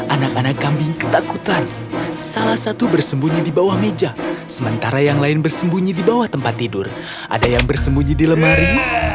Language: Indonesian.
anak anak kambing ketakutan salah satu bersembunyi di bawah meja sementara yang lain bersembunyi di bawah tempat tidur ada yang bersembunyi di lemari